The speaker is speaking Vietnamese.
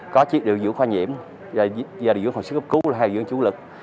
có điều dưỡng khoa nhiễm điều dưỡng khoa sức ấp cứu điều dưỡng chủ lực